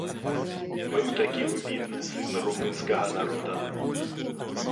Быў такі выбітны сын румынскага народа.